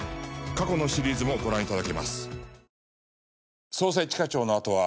過去のシリーズもご覧頂けます。